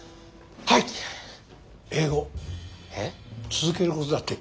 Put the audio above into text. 続けることだって。